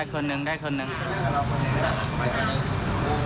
ขอบคุณมากนิดนึง